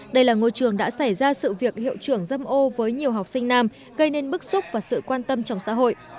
đây là ngôi trường đã xảy ra sự việc hiệu trưởng dâm ô với nhiều học sinh nam gây nên bức xúc và sự quan tâm trong xã hội